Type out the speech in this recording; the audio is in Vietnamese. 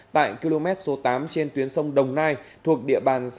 tại km số tám trên tuyến sông đồng nai thuộc địa phương đồng nai